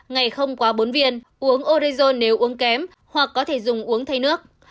ngày không quá bốn viên uống orezon nếu uống kém hoặc có thể dùng uống thay nước